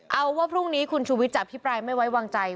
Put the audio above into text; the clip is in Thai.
เอาว่าพรุ่งนี้คุณชุวิตจับพี่ปรายไม่ไว้วางใจ